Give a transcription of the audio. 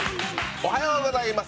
おはようございます。